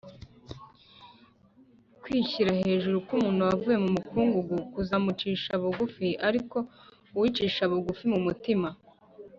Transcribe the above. Kwishyira hejuru k umuntu wakuwe mu mukungugu kuzamucisha bugu r ariko uwicisha bugu mu mutima